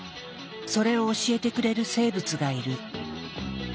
それを教えてくれる生物がいる。